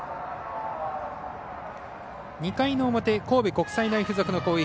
２回の表、神戸国際大付属の攻撃。